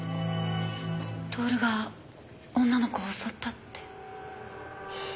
享が女の子を襲ったって。